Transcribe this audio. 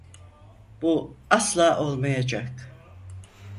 Bu asla olmayacak.